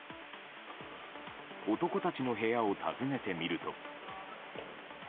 男たちの部屋を訪ねてみると。